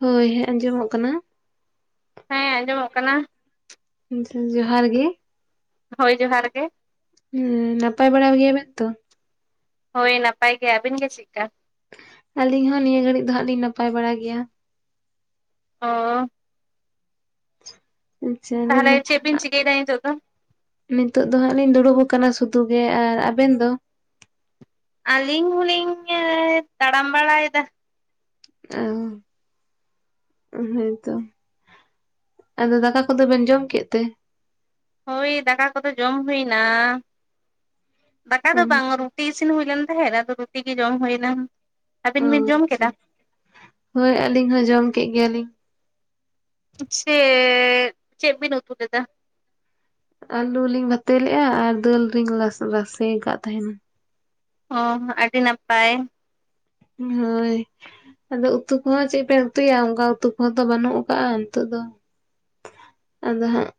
ᱦᱳᱭ ᱦᱮᱸ ᱟᱸᱡᱚᱢᱚᱜ ᱠᱟᱱᱟ ᱦᱮᱸ ᱟᱸᱡᱚᱢᱚᱜ ᱠᱟᱱᱟ ᱡᱚᱦᱟᱸᱨ ᱜᱮ ᱦᱳᱭ ᱡᱚᱦᱟᱸᱨ ᱜᱮ ᱦᱮᱸ ᱱᱟᱯᱟᱭ ᱵᱟᱲᱟ ᱜᱮᱭᱟ ᱵᱮᱱ ᱛᱚ ᱦᱳᱭ ᱱᱟᱯᱟᱭ ᱜᱮ ᱟᱹᱵᱤᱱ ᱜᱮ ᱪᱤᱜ ᱠᱟ ᱟᱹᱞᱤᱧ ᱦᱚᱸ ᱱᱤᱭᱟᱹ ᱜᱷᱟᱹᱲᱤᱡ ᱫᱚ ᱦᱟᱜ ᱞᱤᱧ ᱱᱟᱯᱟᱭ ᱵᱟᱲᱟ ᱜᱮᱭᱟ ᱚ ᱟᱪᱪᱷᱟ ᱛᱟᱦᱚᱞᱮ ᱞᱮᱭᱫᱟᱞᱤᱧ ᱪᱮᱫ ᱵᱤᱱ ᱪᱤᱠᱟᱹᱭᱮᱫᱟ ᱱᱤᱛᱚᱜ ᱫᱚ ᱱᱤᱛᱳᱜ ᱫᱚ ᱦᱟᱸᱜ ᱞᱤᱧ ᱫᱩᱲᱩᱵ ᱟᱠᱟᱱᱟ ᱥᱩᱫᱷᱩ ᱜᱮ ᱟᱨ ᱟᱵᱮᱱ ᱫᱚ ᱟᱹᱞᱤᱧ ᱦᱚᱞᱤᱧ ᱛᱟᱲᱟᱢ ᱵᱟᱲᱟᱭᱮᱫᱟ ᱚᱻ ᱦᱩᱸ ᱛᱚ ᱟᱫᱚ ᱫᱟᱠᱟ ᱠᱚᱫᱚ ᱵᱮᱱ ᱡᱚᱢ ᱠᱮᱫ ᱛᱮ ᱦᱳᱭ ᱫᱟᱠᱟ ᱠᱚᱫᱚ ᱡᱚᱢ ᱦᱩᱭ ᱱᱟ ᱫᱟᱠᱟ ᱫᱚ ᱵᱟᱝ ᱨᱩ ᱴᱤ ᱤᱥᱤᱱ ᱦᱩᱭ ᱞᱮᱱ ᱛᱟᱦᱮᱸᱫ ᱟᱫᱚ ᱨᱩᱴᱤ ᱜᱮ ᱡᱚᱢ ᱦᱩᱭ ᱱᱟ ᱚ ᱟᱪᱪᱷᱟ ᱦᱳᱭ ᱟᱹᱞᱤᱧ ᱦᱚᱸ ᱡᱚᱢ ᱠᱮᱜ ᱜᱮᱭᱟ ᱞᱤᱧ ᱪᱮᱻᱻ ᱪᱮᱜ ᱵᱤᱱ ᱩᱛᱩ ᱞᱮᱫᱟ ᱟᱹᱞᱩ ᱞᱤᱧ ᱵᱷᱟᱛᱮ ᱞᱮᱜᱼᱟ ᱟᱨ ᱫᱟᱹᱞ ᱞᱤᱧ ᱞᱟᱥᱮ ᱨᱟᱥᱮ ᱟᱠᱟᱫ ᱛᱟᱦᱮᱸᱱ ᱚ ᱟᱹᱰᱤ ᱱᱟᱯᱟᱭ ᱦᱳᱭ ᱟᱫᱚ ᱩᱛᱩ ᱠᱚᱦᱚᱸ ᱪᱮᱫ ᱵᱮᱱ ᱩᱛᱩᱭᱟ ᱚᱱᱠᱟ ᱩᱛᱩ ᱠᱚᱦᱚᱸ ᱛᱚ ᱵᱟᱹᱱᱩᱜ ᱠᱟᱜ ᱱᱤᱛᱚᱜ ᱫᱚ ᱟᱫᱚ ᱦᱟᱸᱜ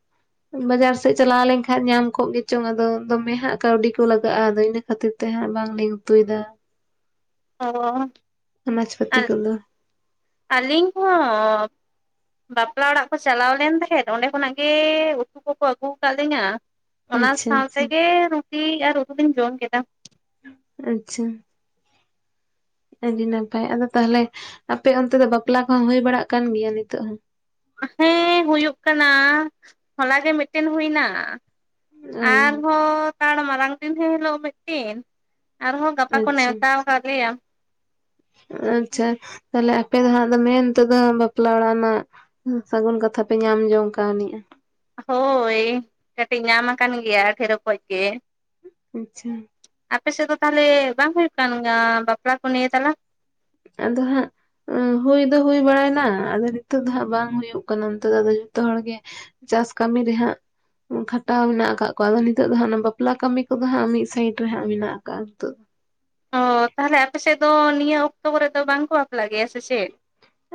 ᱵᱟᱡᱟᱨ ᱥᱮᱫ ᱪᱟᱞᱟᱣ ᱞᱮᱱᱠᱷᱟᱡ ᱧᱟᱢ ᱠᱚᱜ ᱜᱮᱪᱚᱝ ᱟᱫᱚ ᱫᱚᱢᱮ ᱦᱟᱸᱜ ᱠᱟᱹᱣᱰᱤ ᱠᱚ ᱞᱟᱜᱟᱜᱼᱟ ᱟᱫᱚ ᱤᱱᱟᱹ ᱠᱷᱟᱹᱛᱤᱨ ᱛᱮ ᱦᱟᱸᱜ ᱵᱟᱝ ᱞᱤᱧ ᱩᱛᱩᱭᱮᱫᱟ ᱚ ᱾ ᱚᱱᱟ ᱪᱷᱟᱛᱤ ᱠᱚ ᱫᱚ ᱟᱹᱞᱤᱧ ᱦᱚᱸ ᱾ ᱵᱟᱯᱞᱟ ᱚᱲᱟᱜ ᱠᱚ ᱪᱟᱞᱟᱣ ᱞᱮᱱ ᱛᱟᱦᱮᱸᱫ ᱚᱸᱰᱮ ᱠᱷᱚᱱᱟᱜ ᱜᱮ ᱩᱛᱩ ᱠᱚᱠᱚ ᱟᱹᱜᱩ ᱟᱠᱟᱫ ᱞᱤᱧᱟᱹ ᱾ ᱚᱱᱟ ᱟᱪᱪᱷᱟ ᱟᱪᱪᱷᱟ ᱥᱟᱶᱛᱮᱜᱮ ᱨᱩᱴᱤ ᱟᱨ ᱩᱛᱩ ᱫᱚᱧ ᱡᱚᱢ ᱠᱮᱫᱟ ᱾ ᱟᱪᱪᱷᱟ ᱾ ᱟᱹᱰᱤ ᱱᱟᱯᱟᱭ, ᱟᱫᱚ ᱛᱟᱦᱚᱞᱮ ᱟᱯᱮ ᱚᱱᱛᱮ ᱫᱚ ᱵᱟᱯᱞᱟ ᱠᱚᱦᱚᱸ ᱦᱩᱭ ᱵᱟᱲᱟᱜ ᱠᱟᱱ ᱜᱮᱭᱟ ᱱᱤᱛᱚᱜ ᱦᱚᱸ ᱾ ᱦᱮᱸ ᱦᱩᱭᱩᱜ ᱠᱟᱱᱟ ᱦᱚᱞᱟ ᱜᱮ ᱢᱤᱫᱴᱮᱱ ᱦᱩᱭ ᱮᱱᱟ ᱟᱨ ᱚ ᱟᱨ ᱦᱚᱸ ᱠᱟᱲ ᱢᱟᱨᱟᱝ ᱫᱤᱱ ᱦᱤᱞᱳᱜ ᱢᱤᱫᱴᱤᱱ ᱟᱨᱦᱚᱸ ᱜᱟᱯᱟ ᱠᱚ ᱟᱪᱪᱷᱟ ᱱᱮᱣᱛᱟ ᱟᱠᱟᱫ ᱞᱮᱭᱟ ᱾ ᱟᱪᱪᱷᱟ ᱾ ᱛᱟᱦᱞᱮ ᱟᱯᱮ ᱫᱚ ᱦᱟᱸᱜ ᱫᱚ ᱢᱮᱱ ᱛᱮᱫᱚ ᱵᱟᱯᱞᱟ ᱚᱲᱟᱜ ᱱᱟᱜ ᱾ ᱥᱟᱹᱜᱩᱱ ᱠᱟᱛᱷᱟ ᱯᱮ ᱧᱟᱢ ᱡᱚᱝ ᱠᱟᱱᱤᱡᱼᱟ ᱾ ᱦᱳᱭ ᱠᱟᱹᱴᱤᱡ ᱧᱟᱢ ᱟᱠᱟᱱ ᱜᱮᱭᱟ ᱰᱷᱮᱨ ᱚᱠᱚᱡ ᱜᱮ ᱟᱪᱪᱷᱟ ᱟᱯᱮ ᱥᱮᱫ ᱫᱚ ᱛᱟᱦᱚᱞᱮ ᱵᱟᱝ ᱦᱩᱭᱩᱜ ᱠᱟᱱ ᱵᱟᱯᱞᱟ ᱠᱚ ᱱᱤᱭᱟᱹ ᱛᱟᱞᱟ ᱟᱫᱚ ᱦᱟᱸᱜ ᱦᱩᱭ ᱫᱚ ᱦᱩᱭ ᱵᱟᱲᱟᱭᱱᱟ, ᱟᱫᱚ ᱱᱤᱛᱚᱜ ᱫᱚ ᱦᱟᱜ ᱵᱟᱝ ᱦᱩᱭᱩᱜ ᱠᱟᱱᱟ ᱾ ᱱᱤᱛᱚᱜ ᱟᱫᱚ ᱡᱚᱛᱚ ᱦᱚᱲ ᱜᱮ ᱪᱟᱥ ᱠᱟᱹᱢᱤ ᱨᱮᱦᱟᱸᱜ ᱠᱷᱟᱴᱟᱣ ᱢᱮᱱᱟᱜ ᱟᱠᱟᱜᱼᱟ ᱠᱚᱣᱟ ᱟᱫᱚ ᱱᱤᱛᱚᱜ ᱫᱚ ᱦᱟᱸᱜ ᱚᱱᱟ ᱵᱟᱯᱞᱟ ᱠᱟᱹᱢᱤ ᱠᱚᱫᱚ ᱦᱟᱸᱜ ᱢᱤᱫ ᱥᱟᱭᱤᱰ ᱨᱮ ᱦᱟᱸᱜ ᱢᱮᱱᱟᱜ ᱟᱠᱟᱜ ᱱᱤᱛᱚᱜ ᱫᱚ ᱾ ᱚᱻ ᱛᱟᱦᱚᱞᱮ ᱟᱯᱮ ᱥᱮᱫ ᱫᱚ ᱱᱤᱭᱟᱹ ᱚᱠᱛᱚ ᱠᱚᱨᱮ ᱫᱚ ᱵᱟᱝᱠᱚ ᱵᱟᱯᱞᱟ ᱜᱮᱭᱟ ᱥᱮ ᱪᱮᱫ?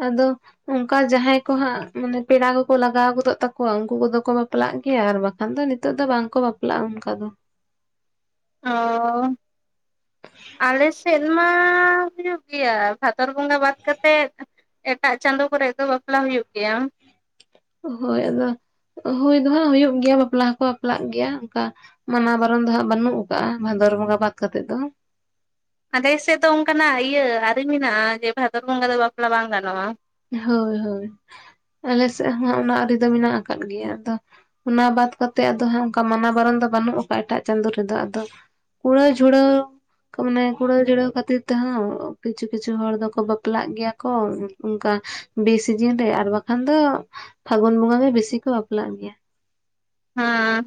ᱟᱫᱚ ᱚᱱᱠᱟ ᱡᱟᱦᱟᱸᱭ ᱠᱚᱦᱟᱸᱜ ᱢᱟᱱᱮ ᱯᱮᱲᱟ ᱠᱚᱠᱚ ᱞᱟᱜᱟᱣ ᱜᱚᱫᱚᱜ ᱛᱟᱠᱚᱣᱟ, ᱩᱱᱠᱩ ᱠᱚᱫᱚ ᱠᱚ ᱵᱟᱯᱞᱟᱜ ᱜᱮᱭᱟ ᱟᱨ ᱵᱟᱠᱷᱟᱡ ᱟᱫᱚ ᱱᱤᱛᱚᱜ ᱫᱚ ᱵᱟᱝ ᱠᱚ ᱵᱟᱯᱞᱟᱜᱼᱟ ᱚᱱᱠᱟ ᱫᱚ᱾ ᱚ ᱟᱞᱮ ᱥᱮᱫ ᱢᱟ ᱦᱩᱭᱩᱜ ᱜᱮᱭᱟ ᱵᱷᱟᱫᱚᱨ ᱵᱚᱸᱜᱟ ᱵᱟᱫ ᱠᱟᱛᱮᱫ ᱾ ᱮᱴᱟᱜ ᱪᱟᱸᱫᱚ ᱠᱚᱨᱮ ᱫᱚ ᱵᱟᱯᱞᱟ ᱦᱩᱭᱩᱜ ᱜᱮᱭᱟ ᱾ ᱦᱳᱭ, ᱟᱫᱚ ᱦᱩᱭ ᱫᱚ ᱦᱟᱸᱜ ᱦᱩᱭᱩᱜ ᱜᱮᱭᱟ ᱵᱟᱯᱞᱟ ᱦᱚᱸᱠᱚ ᱵᱟᱯᱞᱟᱜ ᱜᱮᱭᱟ ᱚᱱᱠᱟ ᱾ ᱢᱟᱱᱟ ᱵᱟᱨᱚᱱ ᱫᱚ ᱦᱟᱸᱜ ᱵᱟᱹᱱᱩᱜ ᱟᱠᱟᱜᱼᱟ ᱵᱷᱟᱫᱚᱨ ᱵᱚᱸᱜᱟ ᱵᱟᱫ ᱠᱟᱛᱮ ᱫᱚ ᱾ ᱟᱞᱮ ᱥᱮᱫ ᱫᱚ ᱚᱱᱠᱟ ᱱᱟᱜ ᱤᱭᱟᱹ ᱟᱹᱨᱤ ᱢᱮᱱᱟᱜᱼᱟ ᱡᱮ, ᱵᱷᱟᱫᱚᱨ ᱵᱚᱸᱜᱟ ᱫᱚ ᱵᱟᱯᱞᱟ ᱵᱟᱝ ᱜᱟᱱᱚᱜᱼᱟ ᱾ ᱦᱳᱭ ᱦᱳᱭ, ᱟᱞᱮ ᱥᱮᱫ ᱦᱚᱸ ᱚᱱᱟ ᱟᱹᱨᱤ ᱫᱚ ᱢᱮᱱᱟᱜ ᱟᱠᱟᱫ ᱜᱮᱭᱟ ᱟᱫᱚ ᱾ ᱚᱱᱟ ᱵᱟᱫ ᱠᱟᱛᱮ ᱟᱫᱚ ᱦᱟᱸᱜ ᱚᱱᱠᱟ ᱢᱟᱱᱟ ᱵᱟᱨᱚᱱ ᱫᱚ ᱵᱟᱹᱱᱩᱜ ᱠᱟᱟ ᱮᱴᱟᱜ ᱪᱟᱸᱫᱚ ᱨᱮᱫᱚ ᱟᱫᱚ ᱠᱩᱲᱟ ᱡᱷᱩᱲᱟᱣ ᱢᱟᱱᱮ ᱠᱩᱲᱟᱹᱣ ᱡᱩᱲᱟᱹᱣ ᱠᱷᱟᱹᱛᱤᱨ ᱛᱮᱦᱚᱸ ᱠᱤᱪᱷᱩ ᱠᱤᱪᱷᱩ ᱦᱚᱲ ᱫᱚᱠᱚ ᱵᱟᱯᱞᱟᱜ ᱜᱮᱭᱟ ᱠᱚ ᱾ ᱚᱱᱠᱟ ᱵᱮ ᱥᱤᱡᱤᱱ ᱨᱮ ᱟᱨ ᱵᱟᱠᱷᱟᱱ ᱫᱚ ᱯᱷᱟᱹᱜᱩᱱ ᱵᱚᱸᱜᱟ ᱜᱮ ᱵᱮᱥᱤ ᱠᱚ ᱵᱟᱯᱞᱟᱜ ᱜᱮᱭᱟ ᱾ ᱦᱟᱸ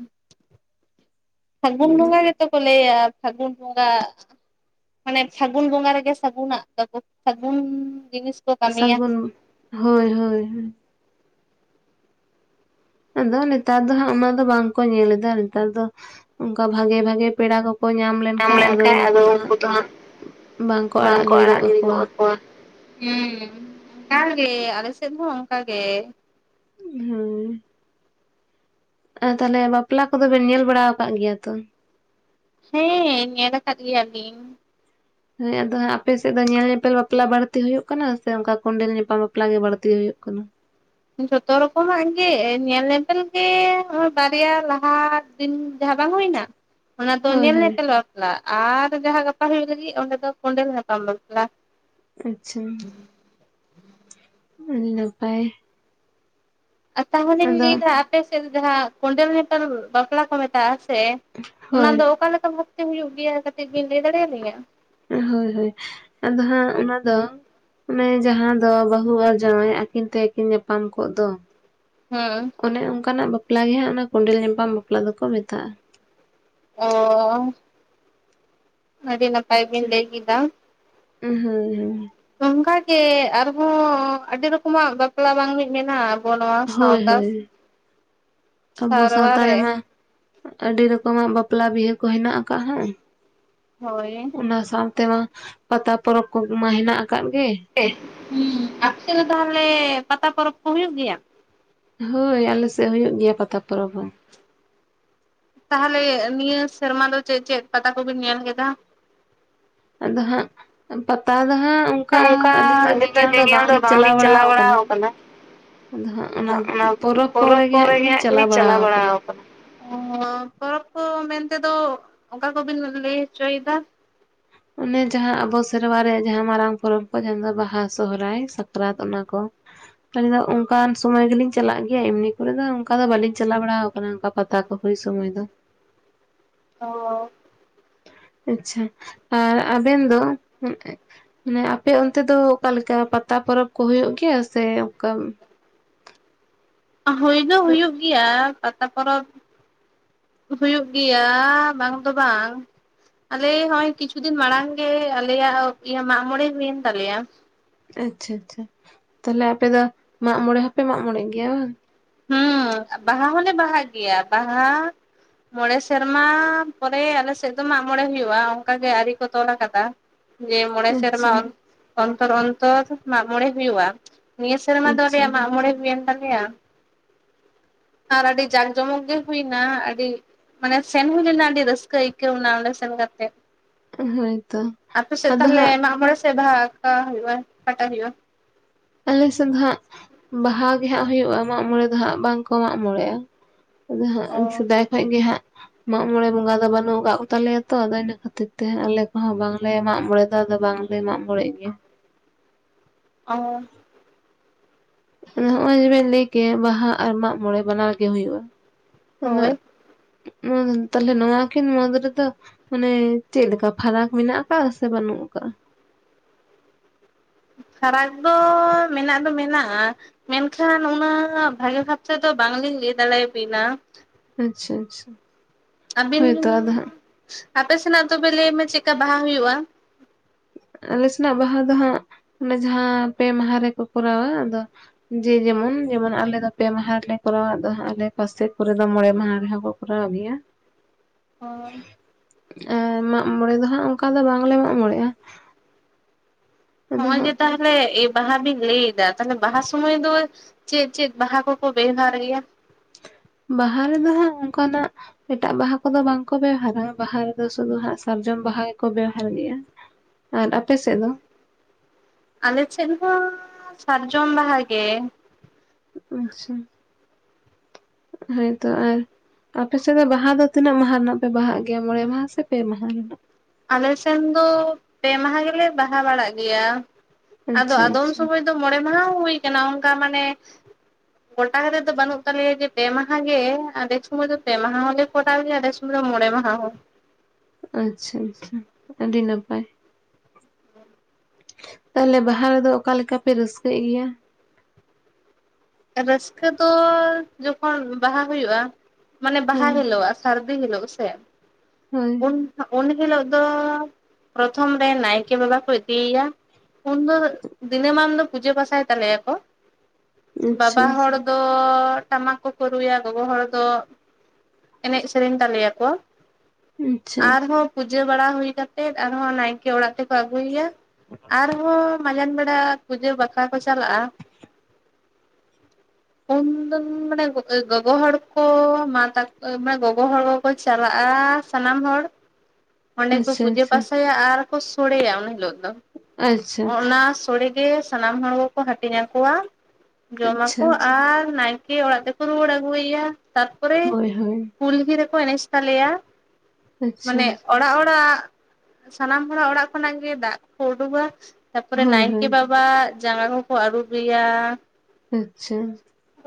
ᱯᱷᱟᱜᱩᱱ ᱵᱚᱸᱜᱟ ᱜᱮᱛᱚ ᱠᱚ ᱞᱟᱹᱭᱟ ᱾ ᱠᱷᱟᱹᱜᱩᱱ ᱵᱚᱸᱜᱟ ᱢᱟᱱᱮ ᱥᱟᱹᱜᱩᱱ ᱵᱚᱸᱜᱟ ᱨᱮᱜᱮ ᱥᱟᱹᱜᱩᱱᱟᱜ ᱛᱟᱠᱚ ᱥᱟᱹᱜᱩᱱ ᱡᱤᱱᱤᱥ ᱠᱚ ᱠᱟᱹᱢᱤᱭᱟ ᱥᱟᱹᱜᱩᱱ ᱦᱳᱭ ᱦᱳᱭ ᱟᱫᱚ ᱱᱮᱛᱟᱨ ᱫᱚ ᱦᱟᱸᱜ ᱚᱱᱟ ᱫᱚ ᱵᱟᱝ ᱠᱚ ᱧᱮᱞ ᱮᱫᱟ ᱱᱮᱛᱟᱨ ᱫᱚ ᱾ ᱚᱱᱠᱟ ᱵᱷᱟᱜᱮ ᱵᱷᱟᱜᱮ ᱯᱮᱲᱟ ᱠᱚᱠᱚ ᱧᱟᱢ ᱧᱟᱢ ᱞᱮᱱᱠᱷᱟᱱ ᱟᱫᱚ ᱩᱱᱠᱩ ᱫᱚ ᱦᱟᱸᱜ ᱵᱟᱝᱠᱚ ᱜᱤᱰᱤ ᱜᱚᱫ ᱟᱲᱟᱜ ᱜᱤᱲᱤ ᱠᱟᱠᱚᱣᱟ ᱜᱚᱜ ᱟᱠᱚᱣᱟ ᱾ ᱦᱩᱸ, ᱚᱱᱠᱟᱜᱮ ᱟᱞᱮ ᱥᱮᱫ ᱦᱚᱸ ᱚᱱᱠᱟ ᱜᱮ ᱾ ᱵᱷᱟᱹᱭ ᱟᱨ ᱛᱟᱦᱚᱞᱮ ᱵᱟᱯᱞᱟ ᱠᱚᱫᱚ ᱵᱮᱱ ᱧᱮᱞ ᱵᱟᱲᱟ ᱟᱠᱟᱫ ᱜᱮᱭᱟ ᱛᱚ? ᱦᱮᱸ, ᱧᱮᱞ ᱟᱠᱟᱫ ᱜᱮᱭᱟᱞᱤᱧ ᱾ ᱦᱮᱸ, ᱟᱫᱚ ᱦᱟᱸᱜ ᱟᱯᱮ ᱥᱮᱫ ᱫᱚ ᱧᱮᱞ ᱧᱮᱯᱮᱞ ᱵᱟᱯᱞᱟ ᱵᱟᱹᱲᱛᱤ ᱦᱩᱭᱩᱜ ᱠᱟᱱᱟ, ᱥᱮ ᱚᱱᱠᱟ ᱠᱚᱸᱰᱮᱞ ᱧᱮᱯᱮᱞ ᱵᱟᱯᱞᱟ ᱜᱮ ᱵᱟᱹᱲᱛᱤ ᱦᱩᱭᱩᱜ ᱠᱟᱱᱟ ᱾ ᱡᱷᱚᱛᱚ ᱨᱚᱠᱚᱢᱟᱜ ᱜᱮ ᱧᱮᱞ ᱧᱮᱯᱮᱞ ᱜᱮ ᱱᱚᱜᱚᱭ ᱵᱟᱨᱭᱟ ᱞᱟᱦᱟ ᱫᱤᱱ ᱡᱟᱦᱟᱸ ᱵᱟᱝ ᱦᱩᱭᱱᱟ ᱚᱱᱟ ᱫᱚ ᱦᱳᱭ ᱧᱮᱞ ᱦᱳᱭ ᱧᱮᱯᱮᱞ ᱵᱟᱯᱞᱟ ᱵᱟᱯᱞᱟ ᱟᱨ ᱡᱟᱦᱟᱸ ᱜᱟᱯᱟ ᱦᱩᱭᱩᱜ ᱞᱟᱹᱜᱤᱫ ᱚᱸᱰᱮ ᱫᱚ ᱠᱚᱸᱰᱮᱞ ᱧᱟᱯᱟᱢ ᱵᱟᱯᱞᱟ ᱾ ᱟᱪᱪᱷᱟ ᱟᱹᱰᱤ ᱱᱟᱯᱟᱭ ᱛᱟᱦᱚᱞᱮᱧ ᱟᱫᱚ ᱞᱟᱹᱭᱮᱫᱟ ᱟᱯᱮ ᱥᱮᱫ ᱡᱟᱦᱟᱸ ᱠᱚᱸᱰᱮᱞ ᱧᱮᱯᱮᱞ ᱵᱟᱯᱞᱟ ᱠᱚ ᱢᱮᱛᱟᱜ-ᱟ ᱥᱮ ᱚᱱᱟ ᱦᱳᱭ ᱫᱚ ᱚᱠᱟᱞᱮᱠᱟ ᱵᱷᱟᱵᱛᱮ ᱦᱩᱭᱩᱜ ᱜᱮᱭᱟ ᱠᱟᱹᱴᱤᱡ ᱵᱤᱱ ᱞᱟᱹᱭ ᱫᱟᱲᱮᱭᱟᱞᱤᱧᱟ ᱦᱳᱭ ᱦᱳᱭ ᱟᱫᱚ ᱦᱟᱸᱜ ᱚᱱᱟ ᱫᱚ ᱚᱱᱮ ᱡᱟᱦᱟᱸ ᱫᱚ ᱵᱟᱹᱦᱩ ᱟᱨ ᱡᱟᱶᱟᱭ ᱟᱹᱠᱤᱱ ᱛᱮᱠᱤᱱ ᱧᱟᱯᱟᱢ ᱠᱚᱜ ᱫᱚ ᱦᱮᱸ ᱚᱱᱮ ᱚᱱᱠᱟᱱᱟᱜ ᱵᱟᱯᱞᱟ ᱜᱮ ᱦᱟᱸᱜ ᱚᱱᱟ ᱠᱚᱸᱰᱮᱞ ᱧᱟᱯᱟᱢ ᱵᱟᱯᱞᱟ ᱫᱚᱠᱚ ᱢᱮᱛᱟᱜᱼᱟ ᱚᱸ ᱚ ᱟᱹᱰᱤ ᱱᱟᱯᱟᱭ ᱵᱤᱱ ᱞᱟᱹᱭ ᱠᱮᱫᱟ ᱩ ᱦᱩᱸ ᱦᱩᱸ ᱚᱝᱠᱟᱜ ᱜᱮ ᱟᱨᱦᱚᱸ ᱟᱹᱰᱤ ᱨᱚᱠᱚᱢᱟᱜ ᱵᱟᱯᱞᱟ ᱵᱟᱝ ᱢᱤᱫ ᱢᱮᱱᱟᱜᱼᱟ ᱟᱵᱚ ᱱᱚᱣᱟ ᱦᱳᱭ ᱥᱟᱶᱛᱟ ᱦᱳᱭ ᱟᱵᱚ ᱥᱟᱨᱣᱟ ᱥᱟᱶᱛᱟ ᱨᱮ ᱾ ᱨᱮᱢᱟ ᱟᱹᱰᱤ ᱨᱚᱠᱚᱢᱟᱜ ᱵᱟᱯᱞᱟ ᱵᱤᱦᱟᱹ ᱠᱚ ᱦᱮᱱᱟᱜ ᱟᱠᱟᱫ ᱦᱟᱸᱜ ᱾ ᱦᱳᱭ ᱚᱱᱟ ᱥᱟᱶᱛᱮᱢᱟ ᱯᱟᱛᱟ ᱯᱚᱨᱚᱵᱽ ᱠᱚ ᱢᱟ ᱦᱮᱱᱟᱜ ᱟᱠᱟᱫ ᱜᱮ ᱾ ᱮᱸ ᱦᱩᱸ ᱟᱯᱮ ᱥᱮᱫ ᱫᱚ ᱛᱟᱦᱚᱞᱮ ᱯᱟᱛᱟ ᱯᱚᱨᱚᱵᱽ ᱠᱚ ᱦᱩᱭᱩᱜ ᱜᱮᱭᱟ ᱦᱳᱭ ᱟᱞᱮ ᱥᱮᱫ ᱦᱳᱭᱳᱜ ᱜᱮᱭᱟ ᱯᱟᱛᱟ ᱯᱚᱨᱚᱵᱽ ᱦᱚᱸ ᱛᱟᱦᱚᱞᱮ ᱱᱤᱭᱟᱹ ᱥᱮᱨᱢᱟ ᱫᱚ ᱪᱮᱫ ᱪᱮᱫ ᱯᱟᱛᱟ ᱠᱚᱵᱤᱱ ᱧᱮᱞ ᱠᱮᱫᱟ ᱟᱫᱚ ᱦᱟᱸᱜ ᱯᱟᱛᱟ ᱫᱚ ᱦᱟᱸᱜ ᱚᱱᱠᱟ ᱱᱤᱛᱟᱜ ᱧᱮᱧᱮᱞ ᱫᱚ ᱵᱟᱝᱞᱤᱧ ᱪᱟᱞᱟᱣ ᱵᱟᱲᱟ ᱠᱟᱱᱟ ᱟᱫᱚ ᱦᱟᱸᱜ ᱚᱱᱟ ᱯᱚᱨᱚᱵᱽ ᱠᱚᱨᱮ ᱜᱮ ᱦᱟᱸᱜᱞᱤᱧ ᱪᱟᱞᱟᱣ ᱵᱟᱲᱟ ᱠᱟᱱᱟ ᱚ ᱯᱚᱨᱚᱵᱽ ᱠᱚ ᱢᱮᱱᱛᱮᱫᱚ ᱚᱠᱟ ᱠᱚᱵᱤᱱ ᱞᱟᱹᱭ ᱦᱚᱪᱚᱭᱮᱫᱟ ᱚᱱᱮ ᱡᱟᱦᱟᱸ ᱟᱵᱚ ᱥᱮᱨᱣᱟ ᱨᱮᱭᱟᱜ ᱡᱟᱦᱟᱸ ᱢᱟᱨᱟᱝ ᱯᱚᱨᱚᱵᱽ ᱠᱚ ᱡᱟᱦᱟᱸ ᱵᱟᱦᱟ ᱥᱚᱦᱨᱟᱭ ᱥᱟᱠᱨᱟᱛ ᱚᱱᱟ ᱠᱚ ᱟᱹᱞᱤᱧ ᱫᱚ ᱚᱱᱠᱟᱱ ᱥᱚᱢᱚᱭ ᱜᱮᱞᱤᱧ ᱟᱫᱚ ᱚᱱᱠᱟᱱ ᱥᱚᱢᱚᱭᱜᱮᱞᱤᱧ ᱪᱟᱞᱟᱜ ᱜᱮᱭᱟ ᱮᱢᱱᱤ ᱠᱚᱨᱮ ᱫᱚ ᱚᱱᱠᱟ ᱫᱚ ᱵᱟᱹᱞᱤᱧ ᱪᱟᱞᱟᱣ ᱵᱟᱲᱟᱣ ᱠᱟᱱᱟ ᱚᱱᱠᱟ ᱯᱟᱛᱟ ᱠᱚ ᱳᱭ ᱥᱚᱢᱚᱭ ᱫᱚ ᱳ ᱟᱪᱪᱷᱟ ᱟᱨ ᱟᱵᱮᱱ ᱫᱚ [unintelligible] ᱢᱟᱱᱮ ᱟᱯᱮ ᱚᱱᱛᱮ ᱫᱚ ᱚᱠᱟᱞᱮᱠᱟ ᱯᱟᱛᱟ ᱯᱚᱨᱚᱵᱽ ᱠᱚ ᱦᱩᱭᱩᱜ ᱜᱮᱭᱟ ᱥᱮ ᱚᱠᱟ ᱦᱩᱭ ᱫᱚ ᱦᱳᱭ ᱦᱩᱭᱩᱜ ᱜᱮᱭᱟ ᱯᱟᱛᱟ ᱯᱚᱨᱚᱵᱽ ᱦᱭᱩᱜ ᱜᱮᱭᱟ ᱵᱟᱝ ᱫᱚ ᱵᱟᱝ ᱟᱞᱮ ᱦᱚᱜ-ᱚᱭ ᱠᱤᱪᱷᱩ ᱫᱤᱱ ᱢᱟᱲᱟᱝ ᱜᱮ ᱟᱞᱮᱭᱟᱜ ᱦᱚᱸᱤᱭᱟᱹ ᱢᱟᱜᱢᱚᱬᱮ ᱦᱩᱭᱮᱱ ᱛᱟᱞᱮᱭᱟ ᱟᱪᱪᱷᱟ ᱟᱪᱪᱷᱟ ᱛᱟᱦᱞᱮ ᱟᱯᱮ ᱫᱚ ᱢᱟᱜ ᱢᱚᱬᱮ ᱦᱚᱸᱯᱮ ᱢᱟᱜ ᱢᱚᱬᱮ ᱜᱮᱭᱟ ᱵᱟᱝ ᱦᱩᱸ ᱵᱟᱦᱟ ᱦᱚᱸᱞᱮ ᱵᱟᱦᱟᱜ ᱜᱮᱭᱟ ᱵᱟᱦᱟ ᱢᱚᱸᱬᱮ ᱥᱮᱨᱢᱟ ᱯᱚᱨᱮ ᱟᱞᱮᱥᱮᱫ ᱫᱚ ᱢᱟᱜ ᱢᱚᱬᱮ ᱦᱩᱭᱩᱜᱼᱟ ᱚᱱᱠᱟᱜᱮ ᱟᱹᱨᱤ ᱠᱚ ᱛᱚᱞ ᱟᱠᱟᱫᱟ ᱡᱮ ᱢᱚᱬᱮ ᱟᱪᱪᱷᱟ ᱥᱮᱨᱢᱟ ᱚᱱᱛᱚᱨ ᱚᱱᱛᱚᱨ ᱢᱟᱜ ᱢᱚᱸᱬᱮ ᱦᱩᱭᱩᱜᱼᱟ ᱱᱤᱭᱟᱹ ᱥᱮᱨᱢᱟ ᱟᱪᱪᱷᱟ ᱫᱚᱞᱮᱭᱟ ᱢᱟᱢᱬᱮ ᱦᱩᱭᱮᱱ ᱛᱟᱞᱮᱭᱟ ᱟᱨ ᱟᱹᱰᱤ ᱡᱟᱸᱠ ᱡᱚᱢᱚᱠ ᱜᱮ ᱦᱩᱭᱱᱟ ᱟᱹᱰᱤ ᱢᱟᱱᱮ ᱥᱮᱱ ᱦᱩᱭᱞᱮᱱᱟ ᱟᱹᱰᱤ ᱨᱟᱹᱥᱠᱟᱹ ᱟᱹᱭᱠᱟᱹᱣ ᱮᱱᱟ ᱚᱸᱰᱮ ᱥᱮᱱ ᱠᱟᱛᱮᱜ᱾ ᱦᱳᱭᱛᱚ ᱟᱯᱮ ᱥᱮᱡ ᱟᱫᱚ ᱛᱟᱦᱚᱞᱮ ᱦᱟᱸᱜ ᱢᱟᱜᱽ ᱢᱚᱬᱮ ᱥᱮ ᱵᱟᱦᱟ ᱟᱠᱟ ᱦᱩᱭᱩᱜᱼᱟ ᱟᱠᱟᱴᱟᱜ ᱦᱩᱭᱩᱜᱼᱟ? ᱟᱞᱮ ᱥᱮᱫ ᱫᱚ ᱦᱟᱸᱜ ᱵᱟᱦᱟ ᱜᱮ ᱦᱟᱸᱜ ᱦᱩᱭᱩᱜᱼᱟ, ᱢᱟᱜ ᱢᱚᱬᱮ ᱫᱚ ᱦᱟᱸᱜ ᱵᱟᱝ ᱠᱚ ᱢᱟᱜ ᱢᱚᱬᱮᱜᱼᱟ᱾ ᱟᱫᱚ ᱚ ᱦᱟᱸᱜ ᱥᱮᱫᱟᱭ ᱠᱷᱚᱡ ᱜᱮ ᱦᱟᱸᱜ ᱢᱟᱜ ᱢᱚᱬᱮ ᱵᱚᱸᱜᱟ ᱫᱚ ᱵᱟᱹᱱᱩᱜ ᱟᱠᱟᱜ ᱠᱚ ᱛᱟᱞᱮᱭᱟ ᱛᱚ ᱟᱫᱚ ᱤᱱᱟᱹ ᱠᱷᱟᱹᱛᱤᱨ ᱛᱮ ᱟᱞᱮ ᱠᱚᱦᱚᱸ ᱵᱟᱝ ᱞᱮ ᱢᱟᱜ ᱢᱚᱬᱮ ᱫᱚ ᱟᱫᱚ ᱵᱟᱝ ᱞᱮ ᱢᱟᱜ ᱢᱚᱬᱮᱜ ᱜᱮᱭᱟ᱾ ᱚ᱾ ᱱᱚᱜᱼᱚᱭ ᱵᱮᱱ ᱞᱟᱹᱭ ᱠᱮᱜ ᱵᱟᱦᱟ ᱟᱨ ᱢᱟᱜ ᱢᱚᱬᱮ ᱵᱟᱱᱟᱣ ᱜᱮ ᱦᱩᱭᱩᱜᱼᱟ᱾ ᱩᱱᱟᱹᱜ ᱦᱳᱭ ᱱᱚᱣᱟ ᱫᱚᱱ ᱛᱟᱦᱟᱞᱮ ᱱᱚᱣᱟ ᱠᱤᱱ ᱢᱩᱫ ᱨᱮᱫᱚ ᱢᱟᱱᱮ ᱪᱮᱫ ᱞᱮᱠᱟ ᱯᱷᱟᱨᱟᱠ ᱢᱮᱱᱟᱜ ᱠᱟᱜᱼᱟ ᱥᱮ ᱵᱟᱹᱱᱩᱜ ᱟᱠᱟᱜᱼᱟ? ᱯᱷᱟᱨᱟᱠ ᱫᱚ ᱢᱮᱱᱟᱜ ᱫᱚ ᱢᱮᱱᱟᱜᱼᱟ᱾ ᱢᱮᱱᱠᱷᱟᱱ ᱩᱱᱟᱹᱜ ᱵᱷᱟᱜᱮ ᱠᱟᱛᱮ ᱫᱚ ᱵᱟᱝ ᱞᱤᱧ ᱞᱟᱹᱭ ᱫᱟᱲᱮ ᱟᱵᱤᱱᱟ᱾ ᱟᱪᱪᱷᱟ ᱟᱪᱪᱷᱟ᱾ ᱟᱹᱵᱤᱱ ᱫᱚ ᱦᱳᱭᱛᱚ ᱟᱫᱚ ᱦᱟᱸᱜ ᱟᱯᱮ ᱥᱮᱱᱟᱜ ᱛᱚᱵᱮ ᱞᱟᱹᱭ ᱢᱮ ᱪᱮᱜᱠᱟ ᱵᱟᱦᱟ ᱦᱩᱭᱩᱜᱼᱟ? ᱟᱞᱮ ᱥᱮᱱᱟᱜ ᱵᱟᱦᱟ ᱫᱚ ᱦᱟᱸᱜ ᱚᱱᱮ ᱡᱟᱦᱟᱸ ᱯᱮ ᱢᱟᱦᱟ ᱨᱮᱠᱚ ᱠᱚᱨᱟᱣᱟ, ᱟᱫᱚ ᱡᱮ ᱡᱮᱢᱚᱱ ᱡᱮᱢᱚᱱ ᱟᱞᱮ ᱫᱚ ᱯᱮ ᱢᱟᱦᱟ ᱨᱮᱞᱮ ᱠᱚᱨᱟᱣ ᱟ ᱫᱚ ᱦᱟᱹᱜ ᱟᱞᱮ ᱯᱟᱥᱮ ᱠᱚᱨᱮ ᱢᱚᱬᱮ ᱢᱟᱦᱟ ᱨᱮᱦᱚᱸ ᱠᱚ ᱠᱚᱨᱟᱣ ᱜᱮᱭᱟ᱾ ᱦᱳᱭ ᱾ ᱮᱸ ᱢᱟᱜᱽ ᱢᱚᱬᱮ ᱫᱚ ᱦᱟᱹᱜ ᱚᱱᱠᱟ ᱫᱚ ᱵᱟᱝᱞᱮ ᱢᱟᱜᱽ ᱢᱚᱬᱮᱜᱼᱟ᱾ ᱟᱫᱚ ᱦᱚᱸᱜᱼᱚᱭ ᱦᱟᱸᱜ ᱡᱮ ᱛᱟ ᱦᱚᱞᱮ ᱮ ᱵᱟᱦᱟ ᱵᱤᱱ ᱞᱟᱹᱭ ᱮᱫᱟ ᱛᱟᱦᱚᱞᱮ ᱵᱟᱦᱟ ᱥᱚᱢᱚᱭ ᱫᱚ ᱪᱮᱫ ᱪᱮᱫ ᱵᱟᱦᱟ ᱠᱚᱠᱚ ᱵᱮᱣᱦᱟᱨ ᱜᱮᱭᱟ? ᱵᱟᱦᱟ ᱨᱮᱫᱚ ᱦᱟᱸᱜ ᱚᱱᱠᱟ ᱱᱟᱜ ᱮᱴᱟᱜ ᱵᱟᱦᱟ ᱠᱚᱫᱚ ᱵᱟᱝ ᱠᱚ ᱵᱮᱣᱦᱟᱨᱟ ᱵᱟᱦᱟ ᱨᱮᱫᱚ ᱥᱩᱫᱩ ᱦᱟᱸᱜ ᱥᱟᱨᱡᱚᱢ ᱵᱟᱦᱟ ᱜᱮᱠᱚ ᱵᱮᱣᱦᱟᱨ ᱜᱮᱭᱟ᱾ ᱟᱨ ᱟᱯᱮ ᱥᱮᱫ ᱫᱚ? ᱟᱞᱮ ᱥᱮᱫ ᱦᱟᱸ ᱥᱟᱨᱡᱚᱢ ᱵᱟᱦᱟ ᱜᱮ᱾ ᱩᱸᱜ ᱩᱸ ᱪᱷᱟ ᱦᱮ ᱛᱚ ᱟᱨ ᱟᱯᱮ ᱥᱮᱫ ᱫᱚ ᱵᱟᱦᱟ ᱫᱚ ᱛᱤᱱᱟᱹᱜ ᱢᱟᱦᱟ ᱨᱮᱱᱟᱜ ᱯᱮ ᱵᱟᱦᱟᱜ ᱜᱮᱭᱟ ᱢᱚᱬᱮ ᱢᱟᱦᱟ ᱥᱮ ᱯᱮ ᱢᱟᱦᱟ᱾ ᱟᱞᱮ ᱥᱮᱱ ᱫᱚ ᱯᱮ ᱢᱟᱦᱟ ᱜᱮᱞᱮ ᱵᱟᱦᱟ ᱵᱟᱲᱟᱜ ᱜᱮᱭᱟ ᱟᱫᱚ ᱟᱪᱪᱷᱟ ᱟᱫᱚᱢ ᱟᱪᱪᱷᱟ ᱥᱚᱢᱚᱭ ᱛᱚ ᱢᱚᱬᱮ ᱢᱟᱦᱟ ᱦᱚᱸ ᱦᱩᱭ ᱠᱟᱱᱟ ᱚᱱᱠᱟ ᱢᱟᱱᱮ [inaudible] ᱜᱚᱴᱟ ᱠᱟᱛᱮᱜ ᱫᱚ ᱵᱟᱹᱱᱩᱜ ᱛᱟᱞᱮᱭᱟ ᱡᱮ ᱯᱮ ᱢᱟᱦᱟ ᱜᱮ ᱟᱫᱷᱮᱠ ᱥᱚᱢᱚᱭ ᱫᱚ ᱯᱮ ᱢᱟᱦᱟ ᱦᱚᱸᱞᱮ ᱠᱚᱨᱟᱣ ᱜᱮᱭᱟ ᱟᱫᱮ ᱢᱚᱬᱮ ᱢᱟᱦᱟ ᱦᱚᱸ᱾ ᱟᱪᱪᱷᱟ ᱟᱪᱷᱟ ᱟᱹᱰᱤ ᱱᱟᱯᱟᱭ᱾ ᱛᱟᱦᱚᱞᱮ ᱵᱟᱦᱟ ᱨᱮᱫᱚ ᱚᱠᱟ ᱞᱮᱠᱟ ᱯᱮ ᱨᱟᱹᱥᱠᱟᱹᱜ ᱜᱮᱭᱟ? ᱨᱟᱹᱥᱠᱟᱹ ᱫᱚ ᱡᱚᱠᱷᱚᱱ ᱵᱟᱦᱟ ᱦᱩᱭᱩᱜᱼᱟ ᱢᱟᱱᱮ ᱵᱟᱦᱟ ᱦᱮᱸ ᱦᱤᱞᱳᱜᱼᱟ᱾ ᱥᱟᱨᱫᱤ ᱦᱤᱞᱳ ᱥᱮ ᱦᱳᱭ ᱩᱱ ᱩᱱ ᱦᱤᱞᱳᱜ ᱫᱚ ᱯᱨᱚᱛᱷᱚᱢ ᱨᱮ ᱱᱟᱭᱠᱮ ᱵᱟᱵᱟ ᱠᱚ ᱤᱫᱤᱭ ᱭᱟ᱾ ᱩᱱ ᱫᱚ ᱫᱤᱱᱟᱹᱢᱟᱱ ᱫᱚ ᱯᱩᱡᱟᱹ ᱯᱟᱥᱟᱭ ᱛᱟᱞᱮᱭᱟ ᱵᱟᱵᱟ ᱟᱪᱪᱷᱟ ᱟᱪᱪᱷᱟ ᱦᱚᱲ ᱫᱚ ᱴᱟᱢᱟᱠ ᱠᱚᱠᱚ ᱨᱩᱭᱟ ᱜᱚᱜᱚ ᱦᱚᱲ ᱫᱚ ᱮᱱᱮᱡ ᱥᱮᱨᱮᱧ ᱛᱟᱞᱮᱭᱟ ᱠᱚ᱾ ᱟᱪᱪᱷᱟ ᱟᱨᱦᱚᱸ ᱯᱩᱡᱟᱹ ᱵᱟᱲᱟ ᱦᱩᱭ ᱠᱟᱛᱮᱫ ᱟᱨᱦᱚᱸ ᱱᱟᱭᱠᱮ ᱚᱲᱟᱜ ᱛᱮᱠᱚ ᱟᱹᱜᱩᱭ ᱭᱟ᱾ ᱟᱨᱦᱚ ᱢᱟᱡᱟᱱ ᱵᱮᱲᱟ ᱯᱩᱡᱟᱹ ᱵᱟᱠᱷᱨᱟ ᱠᱚ ᱪᱟᱞᱟᱜᱼᱟ᱾ ᱩᱱ ᱫᱚᱱ ᱢᱟᱲᱮ ᱜᱚ ᱮ ᱜᱚᱜᱚ ᱦᱚᱲ ᱠᱚ ᱢᱟ ᱛᱟ ᱢᱟᱱᱮ ᱜᱚᱜᱚ ᱦᱚᱲ ᱠᱚ ᱪᱟᱞᱟᱜᱼᱟ ᱥᱟᱱᱟᱢ ᱦᱚᱲ᱾ ᱚᱸᱰᱮ ᱠᱚ ᱯᱩᱡᱟᱹ ᱟᱪᱪᱷᱟ ᱯᱟᱥᱟᱭᱟ ᱟᱨ ᱠᱚ ᱥᱳᱲᱮᱭᱟ ᱩᱱ ᱦᱤᱞᱳᱜ ᱫᱚ᱾ ᱟᱪᱪᱷᱟ ᱚᱱᱟ ᱥᱳᱲᱮ ᱜᱮ ᱥᱟᱱᱟᱢ ᱦᱚᱲ ᱜᱚᱠᱚ ᱦᱟᱹᱴᱤᱧ ᱟᱠᱚᱣᱟ᱾ ᱡᱚᱢ ᱟᱪᱪᱷᱟ ᱟᱠᱚ ᱟᱨ ᱱᱟᱭᱠᱮ ᱚᱲᱟᱜ ᱛᱮᱠᱚ ᱨᱩᱣᱟᱹᱲ ᱟᱹᱜᱩᱭ ᱭᱟ ᱛᱟᱨᱯᱚᱨᱮ ᱦᱳᱭ ᱦᱳᱭ ᱠᱩᱞᱦᱤ ᱨᱮᱠᱚ ᱮᱱᱮᱪ ᱛᱟᱞᱮᱭᱟ, ᱟᱪᱪᱷᱟ ᱢᱟᱱᱮ ᱚᱲᱟᱜ ᱚᱲᱟᱜ ᱥᱟᱱᱟᱢ ᱦᱚᱲᱟᱜ ᱚᱲᱟᱜ ᱠᱷᱚᱱᱟᱜ ᱜᱮ ᱫᱟᱜ ᱠᱚ ᱩᱰᱩᱜᱟ᱾ ᱛᱟᱯᱚᱨᱮ ᱦᱳᱭ ᱱᱟᱭᱠᱮ ᱦᱳᱭ ᱵᱟᱵᱟ ᱡᱟᱸᱜᱟ ᱠᱚᱠᱚ ᱟᱹᱨᱩᱵ ᱮᱭᱟ᱾ ᱟᱪᱷᱟ᱾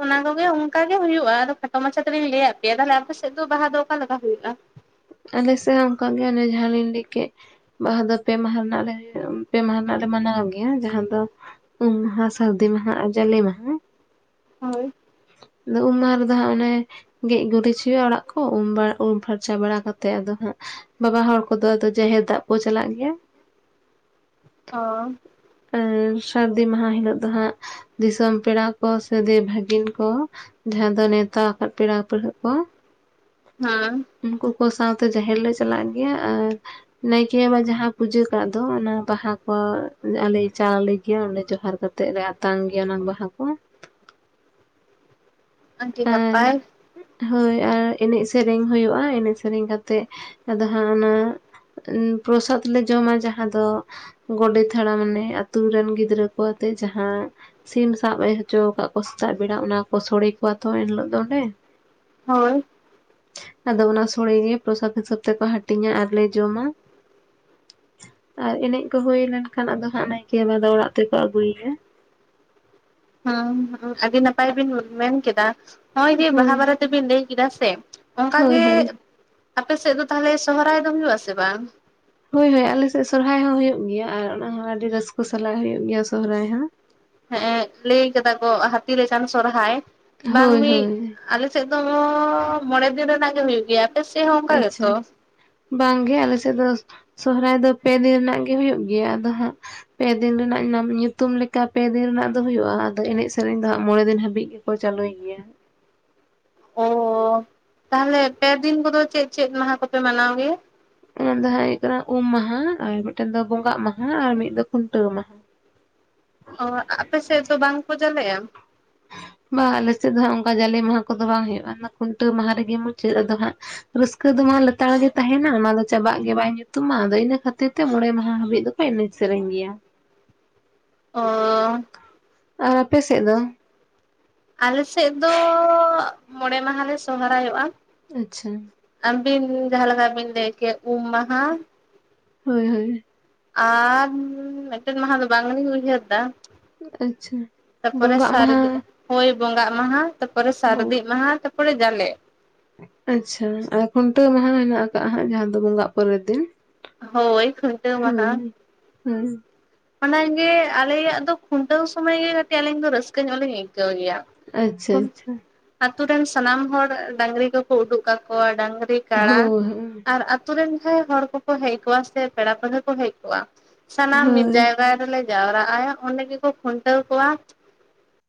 ᱚᱱᱟ ᱠᱚᱜᱮ ᱚᱱᱠᱟ ᱜᱮ ᱦᱩᱭᱩᱜᱼᱟ ᱟᱫᱚ ᱠᱷᱟᱴᱚ ᱢᱟᱪᱷᱟ ᱛᱤᱞᱤᱧ ᱞᱟᱹᱭ ᱟᱫ ᱯᱮᱭᱟ, ᱛᱟᱦᱞᱮ ᱟᱯᱮ ᱥᱮᱫ ᱫᱚ ᱵᱟᱦᱟ ᱫᱚ ᱚᱠᱟᱞᱮᱠᱟ ᱦᱩᱭᱩᱜᱼᱟ? ᱟᱞᱮ ᱥᱮ ᱦᱚᱸ ᱚᱝᱠᱟ ᱜᱮ ᱚᱱᱮ ᱡᱟᱦᱟᱸ ᱞᱤᱧ ᱞᱟᱹᱭ ᱠᱮᱫ᱾ ᱵᱟᱦᱟ ᱫᱚ ᱯᱮ ᱢᱟᱦᱟ ᱨᱮᱱᱟᱜ ᱞᱮ ᱯᱮ ᱢᱟᱦᱟ ᱨᱮᱱᱟᱜ ᱞᱮ ᱢᱟᱱᱟᱣ ᱜᱮᱭᱟ ᱡᱟᱦᱟᱸ ᱫᱚ ᱩᱢ ᱢᱟᱦᱟ ᱥᱟᱹᱨᱫᱤ ᱢᱟᱦᱟ ᱟᱨ ᱡᱟᱞᱮ ᱢᱟᱦᱟ᱾ ᱦᱳᱭ ᱟᱫᱚ ᱩᱢ ᱢᱟᱦᱟ ᱨᱮᱫᱚ ᱦᱟᱸᱜ ᱚᱱᱮ ᱜᱮᱡ ᱜᱩᱨᱤᱡ ᱦᱩᱭᱩᱜᱼᱟ ᱚᱲᱟᱜ ᱠᱚ ᱩᱢ ᱵᱟ ᱩᱢ ᱯᱷᱟᱨᱪᱟ ᱵᱟᱲᱟ ᱠᱟᱛᱮᱜ ᱟᱫᱚ ᱦᱟᱸᱜ ᱵᱟᱵᱟ ᱦᱚᱲ ᱠᱚᱫᱚ ᱟᱫᱚ ᱡᱟᱦᱮᱨ ᱫᱟᱜ ᱠᱚ ᱪᱟᱞᱟᱜ ᱜᱮᱭᱟ᱾ ᱦᱚᱸᱻ ᱥᱟᱹᱨᱫᱤ ᱢᱟᱦᱟ ᱦᱤᱞᱳᱜ ᱫᱚ ᱦᱟᱸᱜ ᱫᱤᱥᱚᱢ ᱯᱮᱲᱟ ᱠᱚ ᱥᱮ ᱫᱮᱼ ᱵᱷᱟᱹᱜᱤᱱ ᱠᱚ ᱡᱟᱦᱟᱸ ᱫᱚ ᱱᱮᱣᱛᱟ ᱟᱠᱟᱫ ᱯᱮᱲᱟ ᱯᱟᱹᱲᱦᱟᱹ ᱠᱚ ᱦᱮᱸ ᱩᱱᱠᱩ ᱠᱚ ᱥᱟᱶᱛᱮ ᱡᱟᱦᱮᱨ ᱞᱮ ᱪᱟᱞᱟᱜ ᱜᱮᱭᱟ ᱟᱨ ᱱᱟᱭᱠᱮ ᱵᱟᱵᱟ ᱡᱟᱦᱟᱸ ᱯᱩᱡᱟᱹ ᱠᱟᱜ ᱫᱚ ᱚᱱᱟ ᱵᱟᱦᱟ ᱠᱚ ᱟᱞᱮ ᱪᱟᱞ ᱟᱞᱮ ᱜᱮᱭᱟ ᱚᱸᱰᱮ ᱡᱚᱦᱟᱨ ᱠᱟᱛᱮᱜ ᱞᱮ ᱟᱛᱟᱝ ᱜᱮᱭᱟ ᱚᱱᱟ ᱵᱟᱦᱟ ᱠᱚ ᱟᱰᱤ ᱟᱨ ᱱᱟᱯᱟᱭ ᱦᱳᱭ ᱟᱨ ᱮᱱᱮᱡ ᱥᱮᱨᱮᱧ ᱦᱩᱭᱩᱜᱼᱟ ᱮᱱᱮᱡ ᱥᱮᱨᱮᱧ ᱠᱟᱛᱮᱜ ᱟᱫᱚ ᱦᱟᱸᱜ ᱚᱱᱟ ᱩ ᱯᱨᱚᱥᱟᱫᱽ ᱞᱮ ᱡᱚᱢᱟ ᱡᱟᱦᱟᱸ ᱫᱚ ᱜᱚᱰᱮᱫ ᱦᱟᱲᱟᱢ ᱢᱟᱱᱮ ᱟᱛᱩ ᱨᱮᱱ ᱜᱤᱫᱽᱨᱟᱹ ᱠᱚ ᱟᱛᱮᱜ ᱡᱟᱦᱟ ᱥᱤᱢ ᱥᱟᱵ ᱦᱚᱪᱚ ᱠᱟᱜ ᱠᱚ ᱥᱮᱛᱟᱜ ᱵᱮᱲᱟ ᱚᱱᱟ ᱠᱚ ᱥᱳᱲᱮ ᱠᱚᱣᱟ ᱛᱚ ᱮᱱᱦᱤᱞᱳᱜ ᱫᱚ ᱚᱸᱰᱮ ᱦᱳᱭ ᱟᱫᱚ ᱚᱱᱟ ᱥᱳᱲᱮ ᱜᱮ ᱯᱨᱚᱥᱟᱛ ᱦᱤᱥᱟᱹᱵ ᱛᱮᱠᱚ ᱦᱟᱹᱴᱤᱧᱟ ᱟᱨᱞᱮ ᱡᱚᱢᱟ ᱟᱨ ᱮᱱᱮᱡ ᱠᱚ ᱦᱩᱭ ᱞᱮᱱᱠᱷᱟᱱ ᱟᱫᱚ ᱦᱟᱸᱜ ᱱᱟᱭᱠᱮ ᱵᱟᱵᱟ ᱫᱚ ᱚᱲᱟᱜ ᱛᱮᱠᱚ ᱟᱹᱜᱩᱭᱮᱭᱟ ᱦᱚᱸ ᱦᱚᱸ ᱟᱹᱰᱤ ᱱᱟᱯᱟᱭ ᱵᱤᱱ ᱢᱮᱱ ᱠᱮᱫᱟ ᱱᱚᱜᱼᱚᱭ ᱡᱮ ᱵᱟᱦᱟ ᱦᱳᱭ ᱵᱟᱨᱮ ᱛᱮᱵᱤᱱ ᱞᱟᱹᱭ ᱠᱮᱫᱟ ᱥᱮ ᱚᱝᱠᱟ ᱦᱳᱭ ᱜᱮ ᱦᱳᱭ ᱟᱯ ᱥᱮᱫ ᱫᱚ ᱛᱟᱦᱚᱞᱮ ᱥᱚᱦᱚᱨᱟᱭ ᱫᱚ ᱦᱩᱭᱩᱜ ᱟᱥᱮ ᱵᱟᱝ? ᱦᱳᱭ ᱦᱳᱭ ᱟᱞᱮ ᱥᱮᱫ ᱥᱚᱨᱦᱟᱭ ᱦᱚᱸ ᱦᱳᱭᱳ ᱜᱮᱭᱟ ᱟᱨ ᱚᱱᱟ ᱦᱚᱸ ᱟᱹᱰᱤᱰᱤ ᱨᱟᱹᱥᱠᱟᱹ ᱥᱟᱞᱟᱜ ᱦᱩᱭᱩᱜᱭ ᱜᱮᱭᱟ ᱥᱦᱟᱭ ᱦᱚᱸ᱾ ᱦᱮᱸ ᱞᱟᱹᱭ ᱠᱟᱫᱟ ᱠᱚ ᱦᱟᱹᱛᱤ ᱞᱮᱪᱟᱱ ᱥᱚᱨᱦᱟᱭ ᱵᱟᱝ ᱦᱳᱭ ᱢᱤᱫ ᱦᱳᱭ ᱟᱞᱮ ᱥᱮᱛ ᱫᱚ ᱢᱚᱬᱮ ᱫᱤᱱ ᱨᱮᱱᱟᱜ ᱜᱮ ᱦᱩᱭ ᱜᱮᱭᱟ᱾ ᱟᱯᱮ ᱥᱮᱫ ᱦᱚᱸ ᱚᱱᱠᱟ ᱟᱪᱪᱷᱟ ᱜᱮᱛᱚ ᱵᱟᱝᱜᱮ ᱟᱞᱮ ᱥᱮᱫ ᱫᱚ ᱥᱚᱦᱚᱨᱟᱭ ᱫᱚ ᱯᱮ ᱫᱤᱱ ᱨᱮᱱᱟᱜ ᱜᱮ ᱦᱩᱭᱩᱜ ᱜᱮᱭᱟ ᱟᱫᱚ ᱦᱟᱸᱜ ᱯᱮ ᱫᱤᱱ ᱨᱮᱱᱟᱜ ᱧᱩᱛᱩᱢ ᱞᱮᱠᱟ ᱯᱮ ᱫᱤᱱ ᱨᱮᱱᱟᱜ ᱫᱚ ᱦᱩᱭᱩᱜᱼᱟ ᱟᱫᱚ ᱮᱱᱮᱡ ᱥᱮᱨᱮᱧ ᱫᱚ ᱦᱟᱸᱜ ᱢᱚᱬᱮ ᱫᱤᱱ ᱦᱟᱹᱵᱤᱡ ᱜᱮ ᱠᱚ ᱪᱟᱹᱞᱩᱭ ᱜᱮᱭᱟ ᱚ ᱛᱟᱦᱚᱞᱮ ᱯᱮ ᱫᱤᱱ ᱠᱚᱫᱚ ᱪᱮᱫ ᱪᱮᱫ ᱢᱟᱦᱟ ᱠᱚᱯᱮ ᱢᱟᱱᱟᱣ ᱜᱮᱭᱟ ᱚᱱᱟ ᱫᱚ ᱦᱟᱸᱜ ᱦᱩᱭᱩᱜ ᱠᱟᱱᱟ ᱩᱢ ᱢᱟᱦᱟ ᱟᱨ ᱢᱤᱫᱴᱮᱱ ᱫᱚ ᱵᱚᱸᱜᱟᱜ ᱢᱟᱦᱟ ᱟᱨ ᱢᱤᱫ ᱫᱚ ᱠᱷᱩᱱᱴᱟᱹᱣ ᱢᱟᱦᱟ ᱚ ᱟᱯᱮ ᱥᱮᱫ ᱫᱚ ᱵᱟᱝᱠᱚ ᱡᱟᱞᱮᱼᱟ ᱵᱟ ᱟᱞᱮᱥᱮᱫ ᱫᱚ ᱦᱟᱜ ᱚᱱᱠᱟ ᱡᱟᱞᱮ ᱢᱟᱦᱟ ᱠᱚᱫᱚ ᱵᱟᱝ ᱦᱩᱭᱩᱜᱼᱟ ᱚᱱᱟ ᱠᱷᱩᱱᱴᱟᱹ ᱢᱟᱦᱟ ᱨᱮᱜᱮ ᱢᱩᱪᱟᱹᱫ ᱟᱫᱚ ᱦᱟᱸᱜ ᱨᱟᱹᱥᱠᱟᱹ ᱫᱚᱢᱟ ᱞᱮᱛᱟᱲ ᱜᱮ ᱛᱟᱦᱮᱱᱟ ᱚᱱᱟ ᱫᱚ ᱪᱟᱵᱟᱜ ᱜᱮ ᱵᱟᱭ ᱧᱩᱛᱩᱢᱢᱟ ᱟᱫᱚ ᱤᱱᱟᱹ ᱠᱷᱟᱹᱛᱤᱨ ᱛᱮ ᱢᱚᱬᱮ ᱢᱟᱦᱟ ᱦᱟᱹᱵᱤᱡ ᱫᱚ ᱮᱱᱮᱡ ᱥᱮᱨᱮᱧ ᱜᱮᱭᱟ ᱚ ᱟᱨ ᱟᱯᱮ ᱥᱮᱫ ᱫᱚ ᱟᱞᱮ ᱥᱮᱫ ᱫᱚ ᱢᱚᱬᱮ ᱢᱟᱦᱟ ᱞᱮ ᱥᱚᱦᱚᱨᱟᱭᱚᱜᱼᱟ ᱟᱪᱪᱷᱟ ᱟᱵᱤᱱ ᱡᱟᱦᱟᱸ ᱞᱮᱠᱟ ᱵᱤᱱ ᱞᱟᱹᱭ ᱠᱮᱫ ᱩᱢ ᱢᱟᱦᱟ ᱦᱳᱭ ᱦᱳᱭ ᱟᱨ ᱢᱤᱫᱴᱮᱱ ᱢᱟᱦᱟ ᱫᱚ ᱵᱟᱹᱞᱤᱧ ᱩᱭᱦᱟᱨ ᱫᱟ ᱟᱪᱪᱷᱟ ᱛᱟᱯᱚᱨᱮ ᱵᱚᱸᱜᱟᱜ ᱢᱟᱦᱟ ᱥᱟᱨᱫᱮ ᱦᱳᱭ ᱵᱚᱸᱜᱟᱜ ᱢᱟᱦᱟ ᱛᱟᱯᱚᱨᱮ ᱦᱳᱭ ᱥᱟᱨᱫᱤ ᱢᱟᱦᱟ ᱛᱟᱯᱚᱨᱮ ᱡᱟᱞᱮ ᱟᱪᱪᱷᱟ ᱟᱨ ᱠᱷᱩᱱᱴᱟᱹᱣ ᱢᱟᱦᱟ ᱦᱮᱱᱟᱜ ᱟᱠᱟᱜ ᱦᱟᱜ ᱡᱟᱦᱟᱸ ᱫᱚ ᱵᱚᱸᱜᱟᱜ ᱯᱚᱨᱮᱨ ᱫᱤᱱ ᱦᱳᱭ ᱠᱷᱩᱱᱴᱟᱹᱣ ᱢᱟᱦᱟ ᱦᱩᱸ ᱚᱱᱟᱜᱮ ᱟᱞᱮᱭᱟᱜ ᱫᱚ ᱠᱷᱩᱱᱴᱟᱹᱣ ᱥᱚᱢᱚᱭ ᱜᱮ ᱠᱟᱹᱴᱤᱡ ᱟᱹᱞᱤᱧ ᱫᱚ ᱨᱟᱹᱥᱠᱟᱹ ᱧᱚᱜ ᱞᱤᱧ ᱟᱹᱭᱠᱟᱹᱣ ᱜᱮᱭᱟ ᱟᱪᱪᱷᱟ ᱟᱪᱪᱷᱟ ᱟᱛᱳ ᱨᱮᱱ ᱥᱟᱱᱟᱢ ᱦᱚᱲ ᱰᱟᱝᱨᱤ ᱠᱚᱠᱚ ᱩᱰᱩᱠ ᱠᱟᱠᱚᱣᱟ ᱰᱟᱝᱨᱤ ᱠᱟᱲᱟ᱾ ᱦᱳᱭ ᱦᱳᱭ ᱟᱨ ᱟᱛᱩ ᱨᱮᱱ ᱦᱚᱸ ᱦᱚᱲ ᱠᱚᱠᱚ ᱦᱮᱡ ᱠᱚᱜᱼᱟ, ᱥᱮ ᱯᱮᱲᱟ ᱯᱟᱹᱲᱦᱟᱹ ᱠᱚ ᱦᱮᱡ ᱠᱚᱜᱼᱟ, ᱥᱟᱱᱟᱢ ᱦᱳᱭ ᱥᱚᱦᱨᱟᱭ ᱨᱮᱞᱮ ᱡᱟᱣᱨᱟᱜᱼᱟ ᱚᱸᱰᱮ ᱜᱮᱠᱚ ᱠᱷᱩᱱᱴᱟᱹᱣ ᱠᱚᱣᱟ᱾